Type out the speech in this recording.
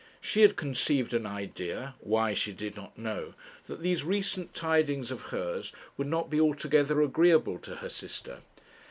She had conceived an idea why, she did not know that these recent tidings of hers would not be altogether agreeable to her sister.